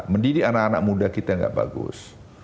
mendidik anak anak muda kita gak bagus